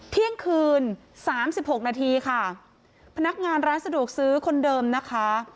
เที่ยงคืนสามสิบหกนาทีค่ะพนักงานร้านสะดวกซื้อคนเดิมนะคะ